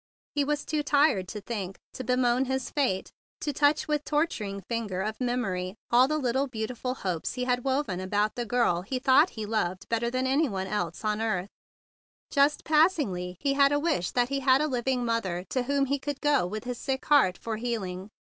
He was too tired to think, to bemoan his fate, to touch with torturing finger of memory all the little beauti¬ ful hopes that he had woven about the girl he thought he loved better than any one else on earth. Just passingly he had a wish that he had a living mother to whom he could go with his sick heart for healing.